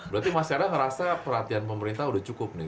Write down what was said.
berarti mas tera ngerasa perlatihan pemerintah udah cukup nih